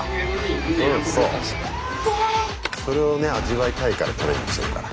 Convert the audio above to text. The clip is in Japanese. それを味わいたいからトレーニングしてるから。